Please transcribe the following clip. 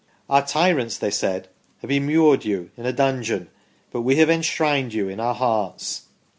" Our tyrants," they said, " have immured you in a dungeon ; but we have enshrined you in our hearts